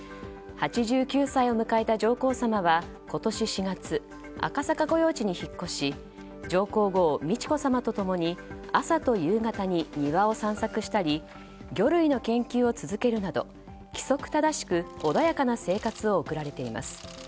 ８９歳を迎えた上皇さまは今年４月赤坂御用地に引っ越し上皇后・美智子さまと共に朝と夕方に庭を散策したり魚類の研究を続けるなど規則正しく穏やかな生活を送られています。